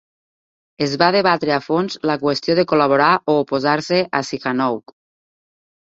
Es va debatre a fons la qüestió de col·laborar o oposar-se a Sihanouk.